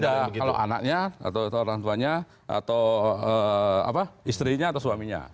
ada kalau anaknya atau orang tuanya atau istrinya atau suaminya